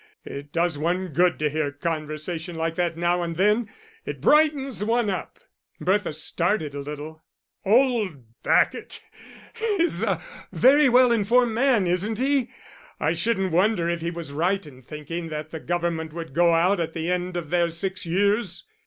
It does one good to hear conversation like that now and then it brightens one up." Bertha started a little. "Old Bacot is a very well informed man, isn't he? I shouldn't wonder if he was right in thinking that the government would go out at the end of their six years."